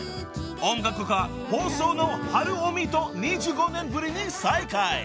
［音楽家細野晴臣と２５年ぶりに再会］